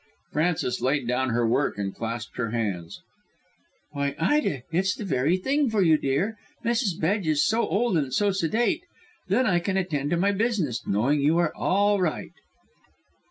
Frances laid down her work and clasped her hands. "Why, Ida, it's the very thing for you, dear. Mrs. Bedge is so old and so sedate. Then I can attend to my business, knowing you are all right."